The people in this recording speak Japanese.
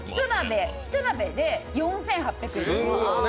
１鍋で４８００円。